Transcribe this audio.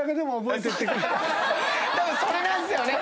それなんすよね。